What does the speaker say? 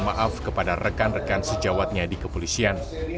maaf kepada rekan rekan sejawatnya di kepolisian